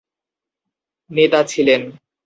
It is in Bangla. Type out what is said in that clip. নেতা ছিলেন।